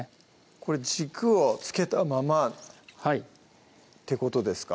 これ軸を付けたままってことですか？